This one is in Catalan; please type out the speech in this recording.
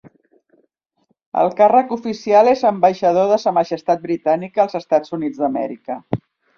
El càrrec oficial és ambaixador de Sa Majestat Britànica als Estats Units d'Amèrica.